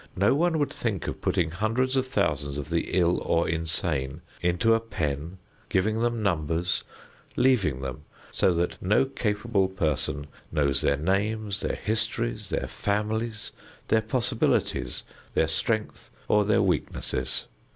No one would think of putting hundreds or thousands of the ill or insane into a pen, giving them numbers, leaving them so that no capable person knows their names, their histories, their families, their possibilities, their strength or their weaknesses.